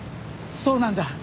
そうなんだ！